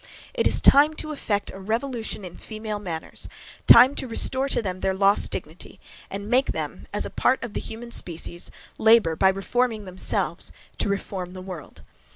It is time to effect a revolution in female manners, time to restore to them their lost dignity, and make them, as a part of the human species, labour by reforming themselves to reform the world.